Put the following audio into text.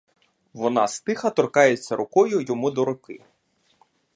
Вона стиха торкається рукою йому до руки.